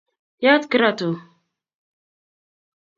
yaat kirato